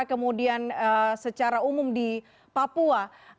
kemudian secara umum di papua